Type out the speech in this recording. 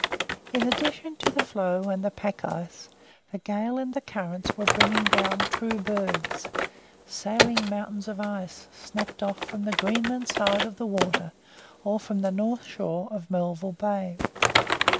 In addition to the floe and the pack ice, the gale and the currents were bringing down true bergs, sailing mountains of ice, snapped off from the Greenland side of the water or the north shore of Melville Bay.